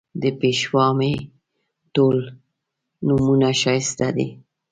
د پېشوا مې ټول نومونه ښایسته دي